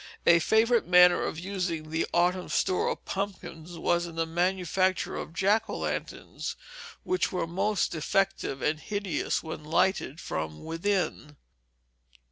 A favorite manner of using the autumn store of pumpkins was in the manufacture of Jack o' lanterns, which were most effective and hideous when lighted from within.